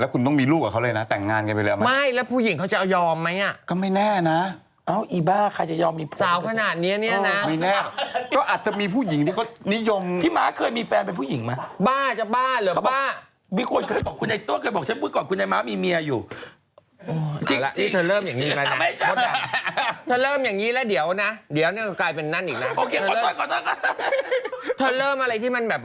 คุณกล้องด้วยอะไรกับอาร์มชุติมาร์เชิญครับ